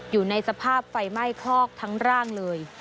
อยู่ในสภาพไฟไหม้คลอกทั้งร่างเลย